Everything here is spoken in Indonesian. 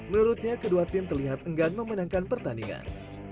menurutnya kedua tim terlihat enggan memenangkan pertandingan